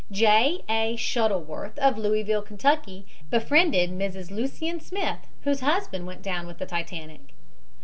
J. A. Shuttleworth, of Louisville, Ky., befriended Mrs. Lucien Smith, whose husband went down with the Titanic.